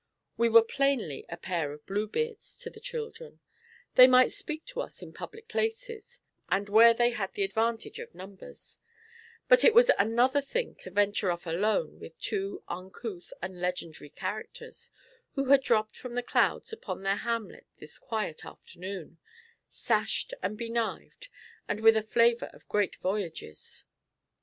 We were plainly a pair of Bluebeards to the children; they might speak to us in public places, and where they had the advantage of numbers; but it was another thing to venture off alone with two uncouth and legendary characters, who had dropped from the clouds upon their hamlet this quiet afternoon, sashed and be knived, and with a flavour of great voyages.